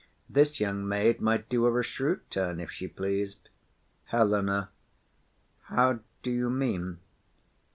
This young maid might do her A shrewd turn, if she pleas'd. HELENA. How do you mean?